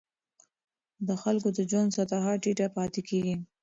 د خلکو د ژوند سطحه ټیټه پاتې کېږي.